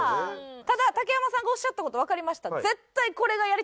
ただ竹山さんがおっしゃった事わかりました。